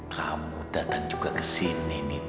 kamu datang juga ke sini